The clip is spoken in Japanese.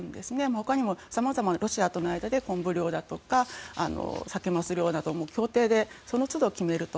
他にもロシアでのコンブ漁だとかサケマス漁なども協定でその都度決めると。